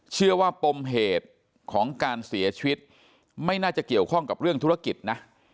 ปมเหตุของการเสียชีวิตไม่น่าจะเกี่ยวข้องกับเรื่องธุรกิจนะ